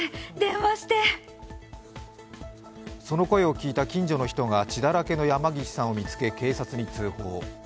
その声を聞いた近所の人が血だらけの山岸さんを見つけ、警察に通報。